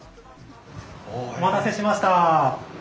お待たせしました。